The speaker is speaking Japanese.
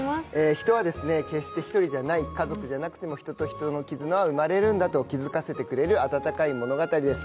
人は決して１人じゃない、家族じゃなくても人と人の絆は生まれるんだと気付かせてくれる温かい物語です。